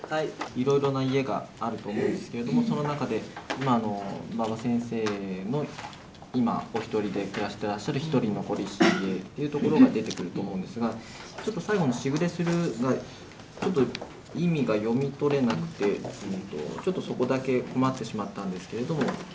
いろいろな家があると思うんですけれどもその中で馬場先生の今お一人で暮らしてらっしゃる「ひとり残りし家」というところが出てくると思うんですがちょっと最後の「しぐれする」がちょっと意味が読み取れなくてちょっとそこだけ困ってしまったんですけれども。